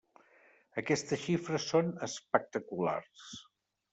Aquestes xifres són espectaculars.